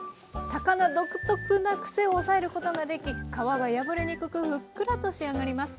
魚独特なくせを抑えることができ皮が破れにくくふっくらと仕上がります。